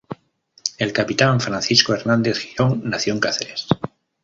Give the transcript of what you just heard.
El capitán Francisco Hernández Girón nació en Cáceres.